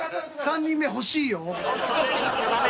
３人目欲しいよ。